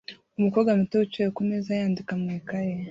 Umukobwa wicaye kumeza yandika mu ikaye